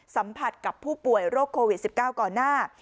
สัมผัสกับผู้ป่วยโรคโควิด๑๙ก่อนหน้า